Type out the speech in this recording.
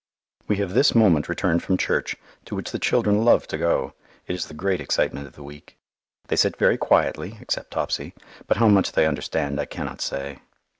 We have this moment returned from church, to which the children love to go; it is the great excitement of the week. They sit very quietly, except Topsy, but how much they understand I cannot say.